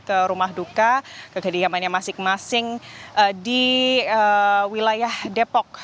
ke rumah duka ke kediamannya masing masing di wilayah depok